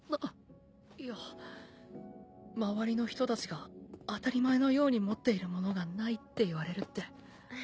いや周りの人たちが当たり前のように持っているものがないって言われるって。